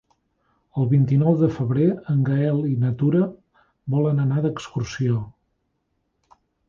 El vint-i-nou de febrer en Gaël i na Tura volen anar d'excursió.